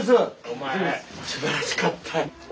お前すばらしかったよ。